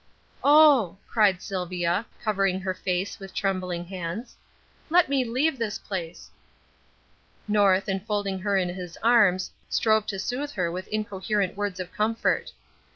"Oh," cried Sylvia, covering her face with trembling hands, "let me leave this place!" North, enfolding her in his arms, strove to soothe her with incoherent words of comfort.